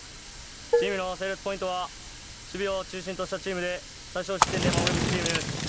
チームのセールスポイントは守備を中心としたチームで最少失点で守り抜くチームです。